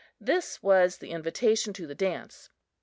This was the invitation to the dance.